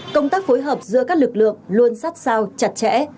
công tác phối hợp giữa các lực lượng luôn sát sao chặt chẽ